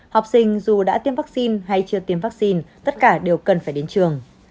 học sinh dù đã tiêm vắc xin hay chưa tiêm vắc xin tất cả đều cần phải đến trường